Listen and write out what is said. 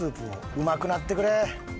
うまくなってくれ！